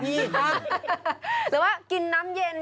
หรือว่ากินน้ำเย็น